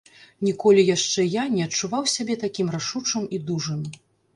Ніколі яшчэ я не адчуваў сябе такім рашучым і дужым.